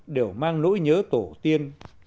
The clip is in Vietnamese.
đều mang nỗi nhớ tổ tiên